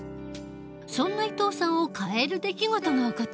そんな伊藤さんを変える出来事が起こった。